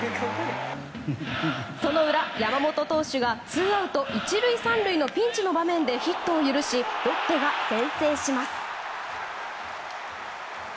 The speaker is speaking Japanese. その裏、山本投手がツーアウト１塁３塁のピンチの場面でヒットを許しロッテが先制します。